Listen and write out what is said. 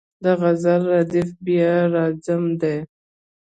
د غزل ردیف بیا راځم دی.